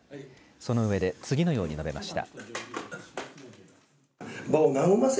その上で次のように述べました。